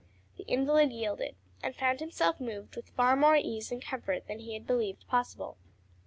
The invalid yielded, and found himself moved with far more ease and comfort than he had believed possible.